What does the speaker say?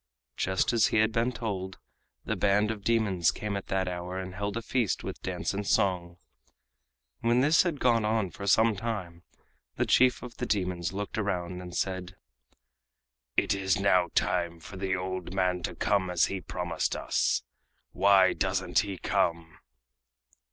Just as he had been told, the band of demons came at that hour and held a feast with dance and song. When this had gone on for some time the chief of the demons looked around and said: "It is now time for the old man to come as he promised us. Why doesn't he come?"